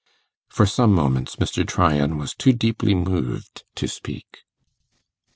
For some moments Mr. Tryan was too deeply moved to speak.